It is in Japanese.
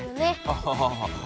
アハハハ。